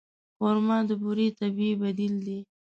خرما د بوري طبیعي بدیل دی.